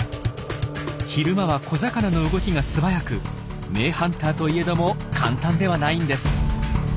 昼間は小魚の動きが素早く名ハンターといえども簡単ではないんです。